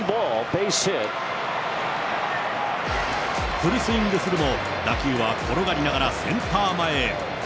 フルスイングするも打球は転がりながらセンター前へ。